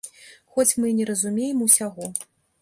Хоць мы і не разумеем усяго.